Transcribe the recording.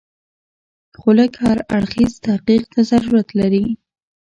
خو لږ هر اړخیز تحقیق ته ضرورت لري.